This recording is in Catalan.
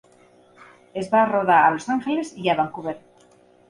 Es va rodar a Los Angeles i Vancouver.